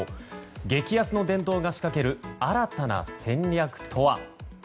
激安の殿堂が仕掛ける新たな戦略とは。